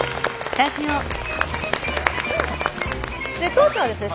当社はですね